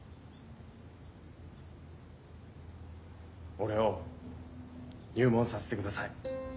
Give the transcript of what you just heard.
俺を入門させてください。